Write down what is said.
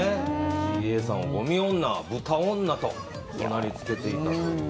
ＣＡさんをごみ女、豚女と怒鳴りつけていたという。